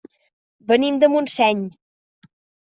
Venim de Montseny.